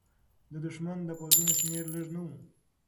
د دښمن د پوځونو شمېر لږ نه و.